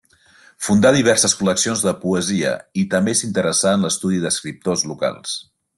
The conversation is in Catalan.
Fundà diverses col·leccions de poesia i també s'interessà en l'estudi d'escriptors locals.